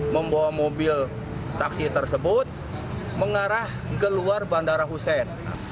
membawa mobil taksi tersebut mengarah ke luar bandara hussein